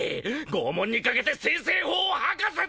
拷問にかけて精製法を吐かせてやる！